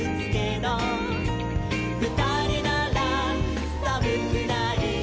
「ふたりならさむくない」